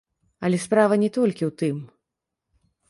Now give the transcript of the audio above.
Але справа не толькі ў тым.